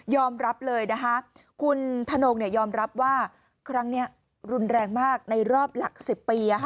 รับเลยนะคะคุณธนงยอมรับว่าครั้งนี้รุนแรงมากในรอบหลัก๑๐ปี